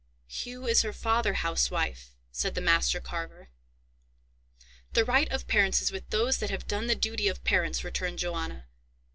"Hugh is her father, housewife," said the master carver. "The right of parents is with those that have done the duty of parents," returned Johanna.